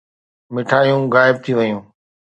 مٺايون غائب ٿي ويون.